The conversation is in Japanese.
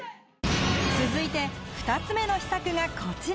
続いて、２つ目の秘策がこちら。